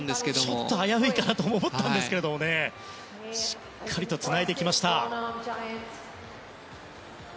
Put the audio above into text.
ちょっと危ういかなと思ったんですけれどもしっかりとつないできました。